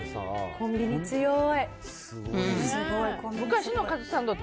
コンビニ強い。